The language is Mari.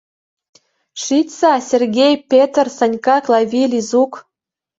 — Шичса, Сергей, Петр, Санька, Клави, Лизук!